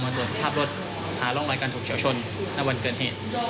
ตรวจสภาพรถหาร่องรอยการถูกเฉียวชนณวันเกิดเหตุ